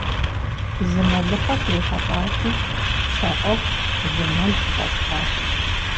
Зы мэлыхъуэ срихьэлӀати, пщэфӀэху, зы мэл къыфӀэсхьащ.